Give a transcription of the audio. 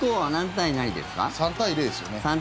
３対０ですね。